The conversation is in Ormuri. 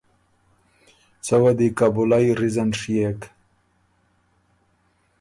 څۀ وه دی کابُلئ ریزن ڒيېک